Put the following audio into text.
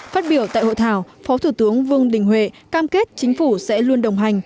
phát biểu tại hội thảo phó thủ tướng vương đình huệ cam kết chính phủ sẽ luôn đồng hành